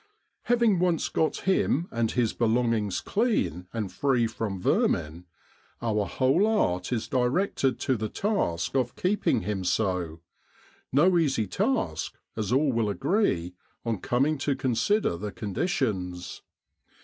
Having once got him and his belongings clean, and free from vermin, our whole art is directed to the task of keeping him so no easy task, as all will agree, on coming to consider the conditions.